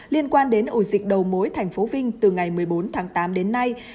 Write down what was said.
liên quan đến ủi dịch đầu mối tp vinh từ ngày một mươi bốn tháng tám đến nay